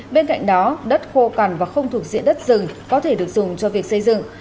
bên cạnh đó đất khô cằn và không thuộc diện đất rừng có thể được dùng cho việc xây dựng